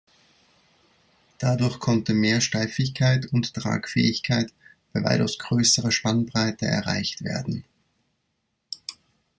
Dadurch konnte mehr Steifigkeit und Tragfähigkeit bei weitaus größerer Spannbreite erreicht werden.